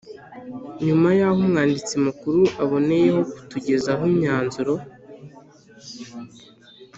Nyuma y’aho Umwanditsi Mukuru aboneyeho kutugezaho imyanzuro